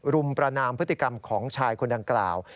รุมประนามพฤติกรรมของชายคนดังกล่าว